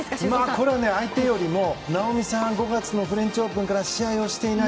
これは相手よりなおみさん、５月のフレンチオープンから試合していない。